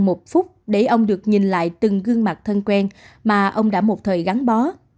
một phút để ông được nhìn lại từng gương mặt thân quen mà ông đã một thời gắn bó